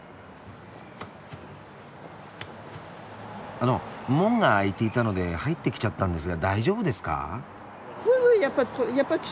あの門が開いていたので入ってきちゃったんですが大丈夫ですか？